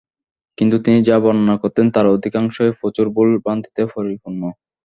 কিন্তু তিনি যা বর্ণনা করতেন তার অধিকাংশই প্রচুর ভুল-ভ্রান্তিতে পরিপূর্ণ।